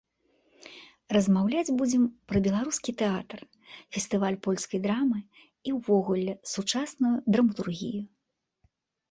Размаўляць будзем пра беларускі тэатр, фестываль польскай драмы і ўвогуле сучасную драматургію.